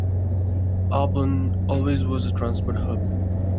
Auburn always was a transport hub.